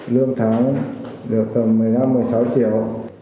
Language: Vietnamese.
lương tháng được tầm một mươi năm một mươi sáu triệu